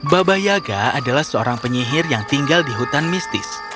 baba yaga adalah seorang penyihir yang tinggal di hutan mistis